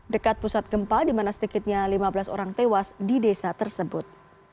dekat pusat gempa di mana sedikitnya lima belas orang tewas di desa tersebut